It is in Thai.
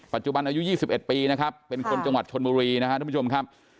อายุ๒๑ปีนะครับเป็นคนจังหวัดชนบุรีนะครับทุกผู้ชมครับ